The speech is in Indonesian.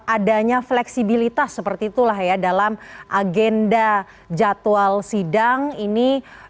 adanya fleksibilitas seperti itulah ya dalam agenda jadwal sidang ini